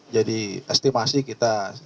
jadi estimasi kita